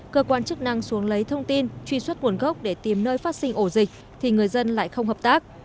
cơ quan chức năng xuống lấy thông tin truy xuất nguồn gốc để tìm nơi phát sinh ổ dịch thì người dân lại không hợp tác